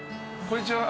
こんにちは。